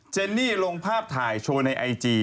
เนนี่ลงภาพถ่ายโชว์ในไอจี